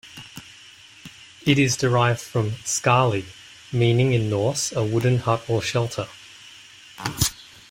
It is derived from "skali", meaning in Norse a wooden hut or shelter.